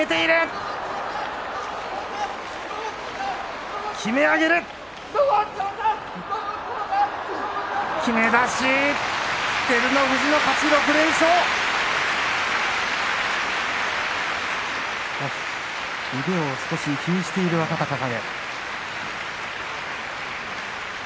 拍手腕を少し気にしている若隆景。